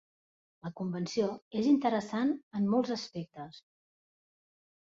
La convenció és interessant en molts aspectes.